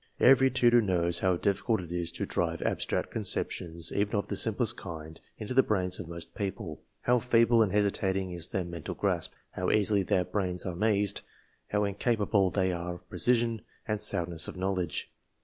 Every tutor knows how difficult it is to drive abstract conceptions, even of the simplest kind, into the brains of most people how feeble and hesitating is their mental grasp how easily their brains are mazed how incapable they are of precision and soundness of know ledge.